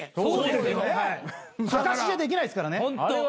かかしじゃできないっすからね。